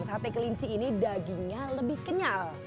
sate kelinci ini dagingnya lebih kenyal